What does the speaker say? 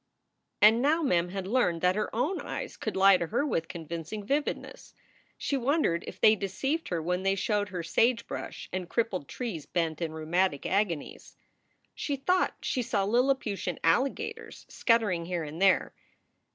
And now Mem had learned that her own eyes could lie to her with convincing vividness. She wondered if they deceived her when they showed her sagebrush and crippled trees bent in rheumatic agonies. She thought she saw Lilli putian alligators scuttering here and there.